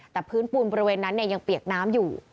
แต่พื้นปูนบริเวณนั้นยังเปียกน้ำอยู่